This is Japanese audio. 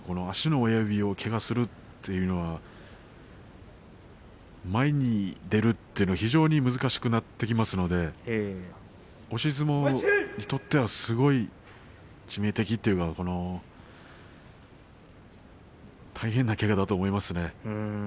足の親指をけがするというのは前に出るというのが非常に難しくなってきますので押し相撲にとってはすごい致命的というか大変なけがだと思いますね。